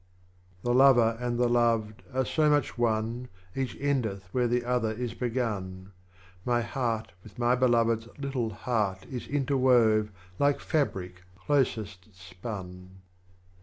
31. The Lover and the Loved are so much One, Each endeth where the Other is begun ; My Heart with my Beloved's little Heart Is interwove like Fabric closest spun.